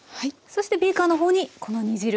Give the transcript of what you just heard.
そしてビーカーの方にこの煮汁。